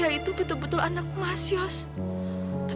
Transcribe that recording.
kita harus cepet cepat menjawab